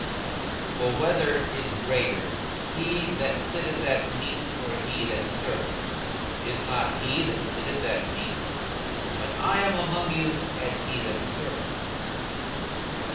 42:022:027 For whether is greater, he that sitteth at meat, or he that serveth? is not he that sitteth at meat? but I am among you as he that serveth.